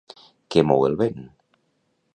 Què mou el vent?